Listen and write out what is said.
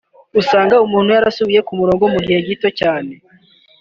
usanga umuntu yarasubiye ku murongo mu gihe gito cyane